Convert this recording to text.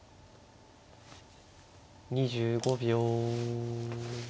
２５秒。